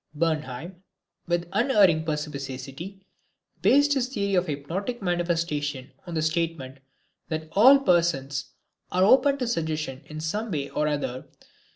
Bernheim, with unerring perspicacity, based his theory of hypnotic manifestations on the statement that all persons are open to suggestion in some way or other.